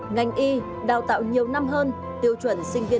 ngành y đào tạo nhiều năm hơn tiêu chuẩn sinh viên